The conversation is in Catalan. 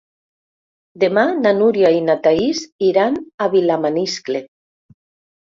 Demà na Núria i na Thaís iran a Vilamaniscle.